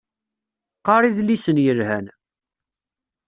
Qqar idlisen yelhan.